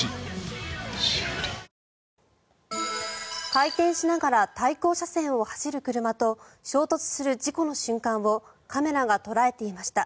回転しながら対向車線を走る車と衝突する事故の瞬間をカメラが捉えていました。